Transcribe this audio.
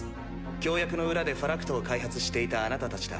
協約の裏でファラクトを開発していたあなたたちだ。